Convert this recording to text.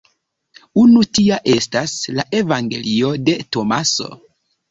Unu tia estas la evangelio de Tomaso.